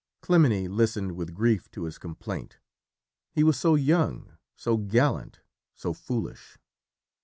Clymene listened with grief to his complaint. He was so young, so gallant, so foolish.